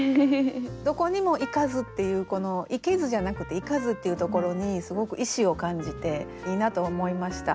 「どこにも行かず」っていうこの「行けず」じゃなくて「行かず」っていうところにすごく意志を感じていいなと思いました。